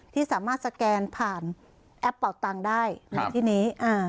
ที่สามารถสแกนผ่านแอปเป่าตังค์ได้ในที่นี้